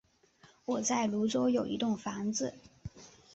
我在芦洲有一栋房子